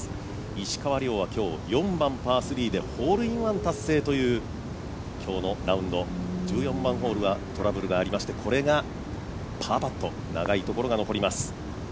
石川遼は今日、４番パー３でホールインワン達成という今日のラウンド、１４番ホールはトラブルがありましてこれがパーパット長いところが残ります。